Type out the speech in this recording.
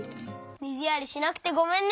みずやりしなくてごめんね！